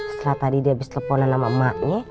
setelah tadi dia habis teleponan sama emaknya